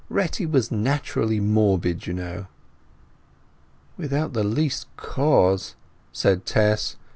Retty was naturally morbid, you know." "Without the least cause," said Tess.